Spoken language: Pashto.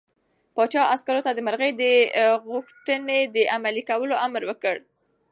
پاچا عسکرو ته د مرغۍ د غوښتنې د عملي کولو امر وکړ.